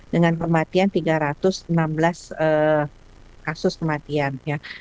dengan kematian tiga ratus enam belas kasus kematian